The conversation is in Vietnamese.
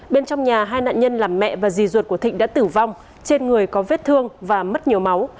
bên trong nhà hai nạn nhân là mẹ và rì ruột của thịnh đã tử vong trên người có vết thương và mất nhiều máu